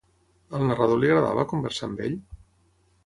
Al narrador li agradava conversar amb ell?